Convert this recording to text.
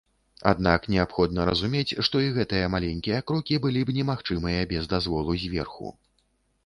Аднак неабходна разумець, што і гэтыя маленькія крокі былі б немагчымыя без дазволу зверху.